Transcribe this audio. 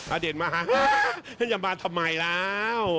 อาเดนมาหาจะมาทำไมแล้ว